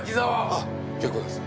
あっ結構です。